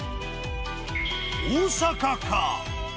大阪か？